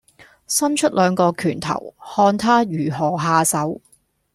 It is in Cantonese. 伸出兩個拳頭，看他如何下手。